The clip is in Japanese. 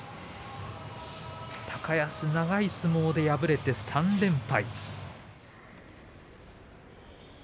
高安、長い相撲で敗れて３連敗。